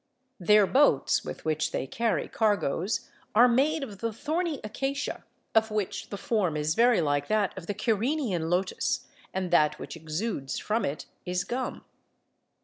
Their boats with which they carry cargoes are made of the thorny acacia, of which the form is very like that of the Kyrenian lotos, and that which exudes from it is gum.